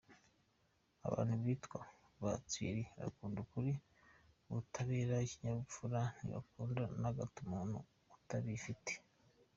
Abantu bitwa ba Thierry bakunda ukuri, ubutabera n’ikinyabupfura, ntibakunda na gato umuntu utabifite.